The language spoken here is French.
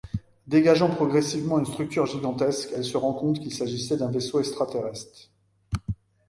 Dégageant progressivement une structure gigantesque, elle se rend compte qu'il s'agit d'un vaisseau extraterrestre.